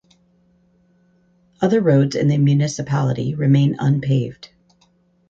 Other roads in the municipality remain unpaved.